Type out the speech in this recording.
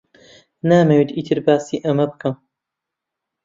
نامەوێت ئیتر باسی ئەمە بکەم.